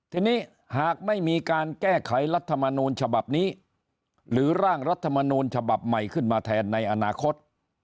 ทีนี้หากไม่มีการแก้ไขรัฐมนูลฉบับนี้หรือร่างรัฐมนูลฉบับใหม่ขึ้นมาแทนในอนาคต